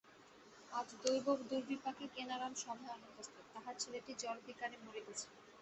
আজ দৈবদুর্বিপাকে কেনারাম সভায় অনুপস্থিত–তাহার ছেলেটি জ্বরবিকারে মরিতেছে।